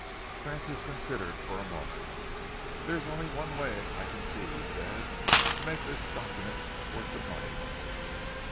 Francis considered for a moment. "There is only one way I can see," he said, "to make this document worth the money to me.